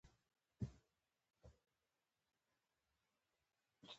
په کاله کی یې لوی کړي ځناور وي